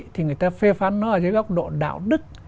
thì người ta phê phán nó ở dưới góc độ đạo đức